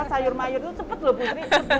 masa sayur mayur itu cepat loh bu sri